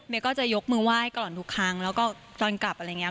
ก็จะยกมือไหว้ก่อนทุกครั้งแล้วก็ตอนกลับอะไรอย่างนี้